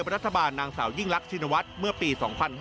ประธบาลนางสาวยิ่งลักษณวัฏเมื่อปี๒๕๕๖